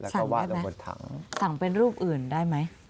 สั่งได้ไหมสั่งเป็นรูปอื่นได้ไหม